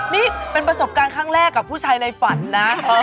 นี่เป็นประสบการณ์ครั้งแรกกับผู้ชายในฝันนะ